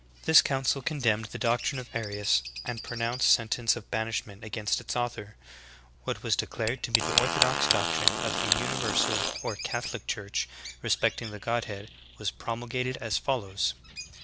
This council condemned the doctrine of Arius, and pronounced sentence of banishment against its author. What was declared to be the orthodox doctrine of the universal THE NICENE CREED. 103 or Catholic church respecting the Godhead was promulgated as follows : 17.